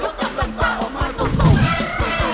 ออกมาสู้สู้